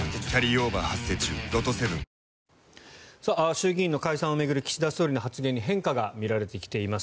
衆議院の解散を巡る岸田総理の発言に変化が見られてきています。